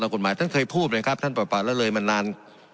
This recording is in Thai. ตามกฎหมายท่านเคยพูดเลยครับท่านปราบรรยละเลมันนาน